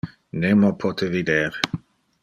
Nemo pote vider.